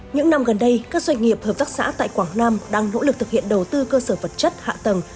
những năm gần đây các doanh nghiệp hợp tác xã tại quảng nam đang nỗ lực thực hiện đầu tư cơ sở vật chất hạ tầng